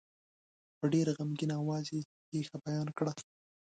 په ډېر غمګین آواز یې پېښه بیان کړه.